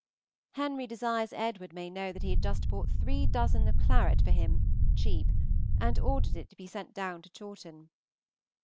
Henry desires Edward may know that he has just bought three dozen of claret for him (cheap), and ordered it to be sent down to Chawton.